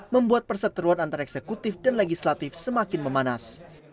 membuat perseteruan antara eksekutif dan legislatif semakin memanas